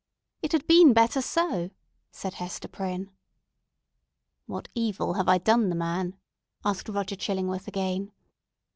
"It had been better so!" said Hester Prynne. "What evil have I done the man?" asked Roger Chillingworth again.